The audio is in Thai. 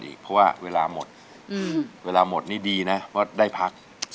น้องปอนด์ร้องได้ให้ร้อง